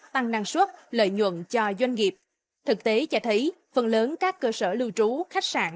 tăng năng suất lợi nhuận cho doanh nghiệp thực tế cho thấy phần lớn các cơ sở lưu trú khách sạn